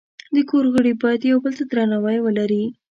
د کور غړي باید یو بل ته درناوی ولري.